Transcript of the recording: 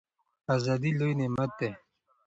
ازادي لوی نعمت دی.